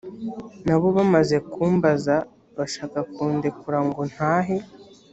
na bo bamaze kumbaza bashaka kundekura ngo ntahe